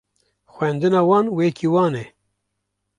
Xwendina wan wekî wan e